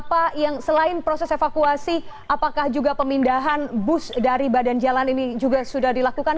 apa yang selain proses evakuasi apakah juga pemindahan bus dari badan jalan ini juga sudah dilakukan